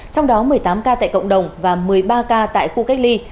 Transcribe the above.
trong đó một mươi tám ca tại cộng đồng và một mươi ba ca tại khu cách ly